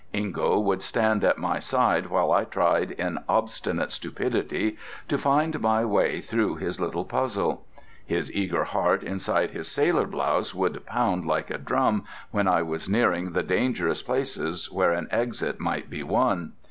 Ingo would stand at my side while I tried in obstinate stupidity to find my way through his little puzzle; his eager heart inside his sailor blouse would pound like a drum when I was nearing the dangerous places where an exit might be won.